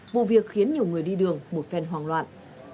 vụ việc khiến nhiều người đi đường một phên hoàng loạn